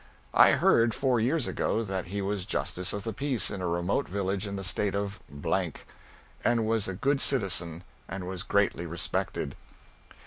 I heard, four years ago, that he was Justice of the Peace in a remote village in the State of , and was a good citizen and was greatly respected.